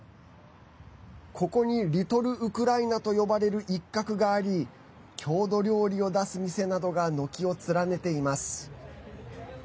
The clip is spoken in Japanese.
ここにリトルウクライナと呼ばれる一角があり郷土料理を出す店などが軒を連ねています。